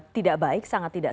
tidak baik sangat tidak